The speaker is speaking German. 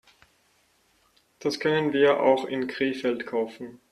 Das können wir auch in Krefeld kaufen